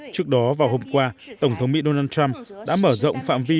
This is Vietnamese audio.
trước đó vào hôm qua tổng thống mỹ donald trump đã mở rộng phạm vi